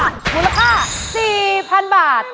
มูลค่า๔๐๐๐บาท